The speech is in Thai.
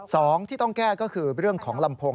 สองที่ต้องแก้ก็คือเรื่องของลำโพง